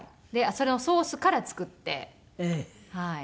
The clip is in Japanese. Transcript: それをソースから作ってはい。